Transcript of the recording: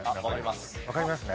わかりますね？